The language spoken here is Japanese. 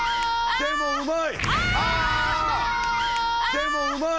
でもうまい！